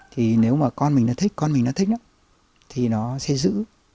thì nếu mà con mình nó thích con mình nó thích á thì nó sẽ giữ